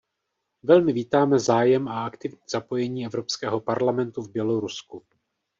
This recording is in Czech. Velmi vítáme zájem a aktivní zapojení Evropského parlamentu v Bělorusku.